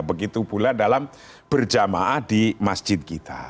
begitu pula dalam berjamaah di masjid kita